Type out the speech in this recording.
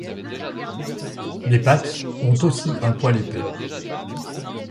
Les pattes ont aussi un poil épais.